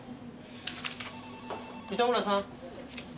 糸村さん。